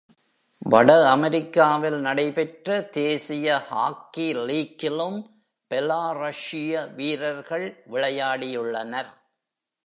வட அமெரிக்காவில் நடைபெற்ற தேசிய ஹாக்கி லீக்கிலும் பெலாரஷ்ய வீரர்கள் விளையாடியுள்ளனர்.